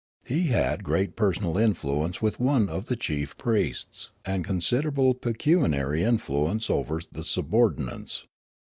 He had great personal influence with one of the chief priests and considerable pecuniar}^ influence over the subordinates.